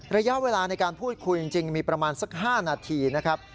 ระยะเวลาในการพูดคุยจริงมีประมาณสัก๕นาทีนะครับ